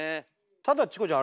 ただチコちゃん